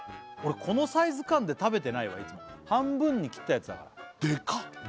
俺このサイズ感で食べてないわいつも半分に切ったやつだからデカッ！